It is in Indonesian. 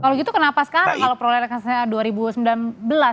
kalau gitu kenapa sekarang kalau perolehan saya dua ribu sembilan belas